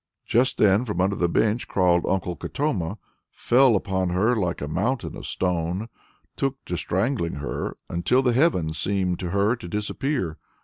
Just then from under the bench crawled Uncle Katoma, fell upon her like a mountain of stone, took to strangling her until the heaven seemed to her to disappear.